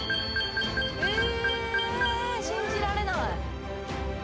え信じられない！